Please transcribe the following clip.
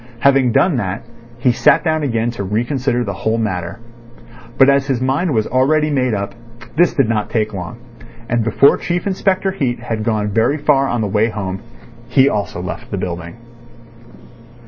Having done that, he sat down again to reconsider the whole matter. But as his mind was already made up, this did not take long. And before Chief Inspector Heat had gone very far on the way home, he also left the building.